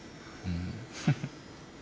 フフッ。